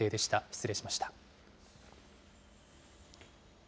失礼しました。